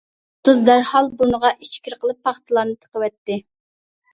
يۇلتۇز دەرھال بۇرنىغا ئىچكىرى قىلىپ پاختىلارنى تىقىۋەتتى.